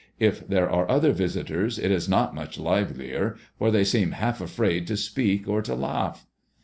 U there are other visitors it is not much livelier, for they seem half afraid to speak or to laagh."